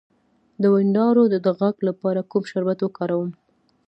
د وینادرو د غږ لپاره کوم شربت وکاروم؟